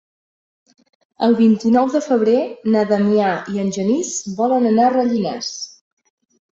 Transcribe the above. El vint-i-nou de febrer na Damià i en Genís volen anar a Rellinars.